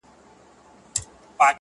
كه د زور تورو وهل د چا سرونه-